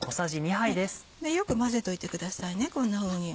よく混ぜといてくださいこんなふうに。